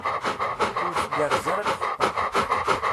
Ur tgerrez ara lḥeṭṭa.